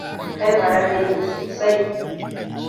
Kai kwararre ne sosai.